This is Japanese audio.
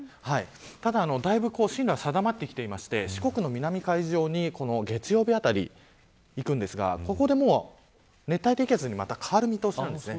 ただ、だいぶ進路が定まってきていて四国の南の海上に月曜日あたりいくんですがここで熱帯低気圧に変わる見通しなんです。